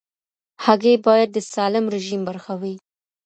هګۍ باید د سالم رژیم برخه وي.